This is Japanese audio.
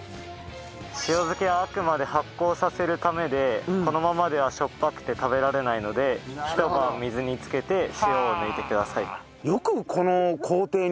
塩漬けはあくまで発酵させるためでこのままではしょっぱくて食べられないので一晩水に浸けて塩を抜いてください。